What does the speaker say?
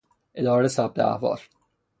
اداره ثبت احوال